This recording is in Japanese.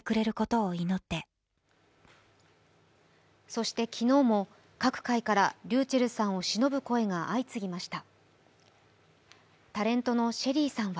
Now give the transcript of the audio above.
そして、昨日も各界からｒｙｕｃｈｅｌｌさんをしのぶ声が相次ぎました。